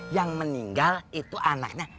yang meninggal itu anaknya